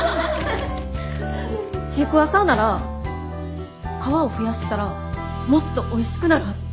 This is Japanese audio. シークワーサーなら皮を増やしたらもっとおいしくなるはず。